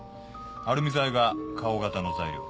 アルミ材が顔型の材料。